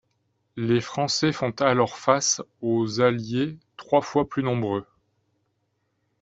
Les Français font alors face aux Alliés trois fois plus nombreux.